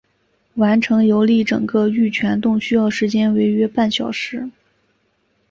完成游历整个玉泉洞需要时间为约半小时。